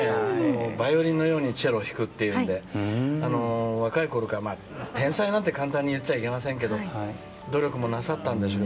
バイオリンのようにチェロを弾くということで若いころから天才なんて簡単に言っちゃいけませんけど努力もなさったんでしょう。